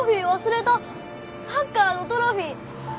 サッカーのトロフィー！